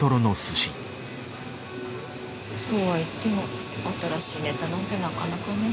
そうはいっても新しいネタなんてなかなかねぇ。